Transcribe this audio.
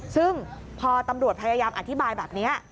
ซึ่งพอตำรวจพยายามอธิบายแบบนี้